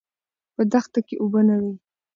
په دښته کې اوبه نه وې.